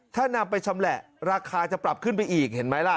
ถ้านำไปชำแหละราคาจะปรับขึ้นไปอีกเห็นไหมล่ะ